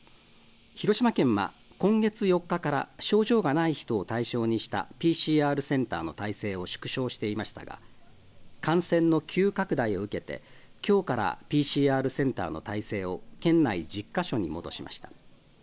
広島県は今月４日から症状がない人を対象にしたＰＣＲセンターの体制を縮小していましたが感染の急拡大を受けてきょうからＰＣＲセンターの体制を県内１０か所に戻しました。